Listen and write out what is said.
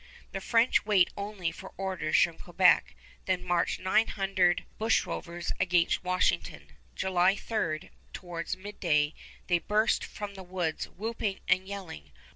The French wait only for orders from Quebec, then march nine hundred bushrovers against Washington. July 3, towards midday, they burst from the woods whooping and yelling.